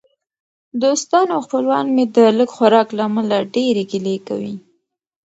دوستان او خپلوان مې د لږ خوراک له امله ډېرې ګیلې کوي.